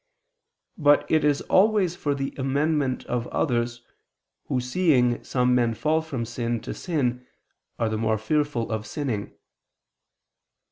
But it is always for the amendment of others, who seeing some men fall from sin to sin, are the more fearful of sinning.